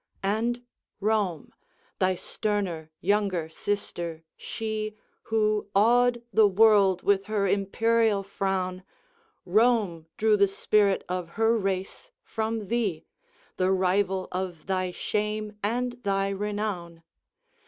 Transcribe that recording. XVIII. And Rome thy sterner, younger sister, she Who awed the world with her imperial frown Rome drew the spirit of her race from thee, The rival of thy shame and thy renown.